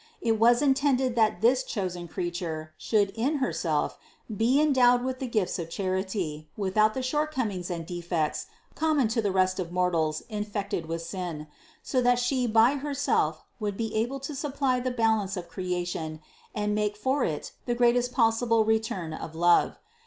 It was in tended that this chosen Creature should in Herself be endowed with the gifts of charity, without the shortcom ings and defects common to the rest of mortals infected with sin, so that She by Herself would be able to supply the balance of creation and make for it the greatest pos sible return of love.